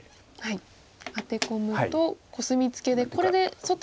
アテ込むとコスミツケでこれで外には出れない。